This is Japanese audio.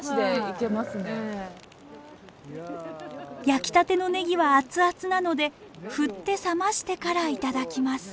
焼きたてのネギは熱々なので振って冷ましてからいただきます。